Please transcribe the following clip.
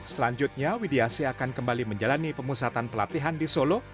selanjutnya widiasi akan kembali menjalani pemusatan pelatihan di solo